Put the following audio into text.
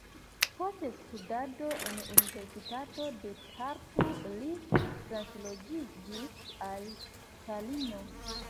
Post studado en Universitato de Tartu li transloĝiĝis al Talino.